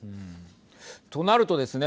となるとですね